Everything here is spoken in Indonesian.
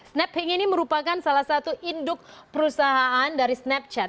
snapping ini merupakan salah satu induk perusahaan dari snapchat